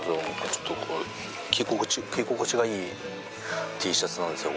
ちょっと着心地がいいＴシャツなんですよ